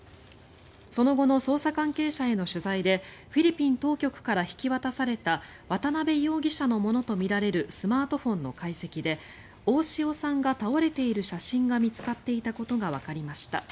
その後の捜査関係者への取材でフィリピン当局から引き渡された渡邉容疑者のものとみられるスマートフォンの解析で大塩さんが倒れている写真が見つかっていたことがわかりました。